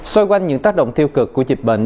xoay quanh những tác động tiêu cực của dịch bệnh